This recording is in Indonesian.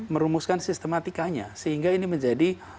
merumuskan sistematikanya sehingga ini menjadi